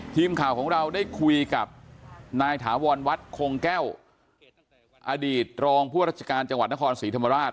ทีมข่าวของเราได้คุยกับนายถาวรวัดคงแก้วอดีตรองผู้ราชการจังหวัดนครศรีธรรมราช